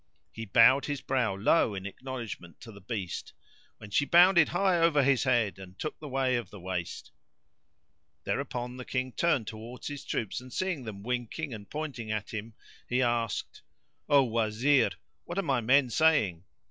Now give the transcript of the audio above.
He bowed his brow low in acknowledgment to the beast; when she bounded high over his head and took the way of the waste. Thereupon the King turned towards his troops and seeing them winking and pointing at him, he asked, "O Wazir, what are my men saying?"